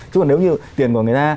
chứ còn nếu như tiền của người ta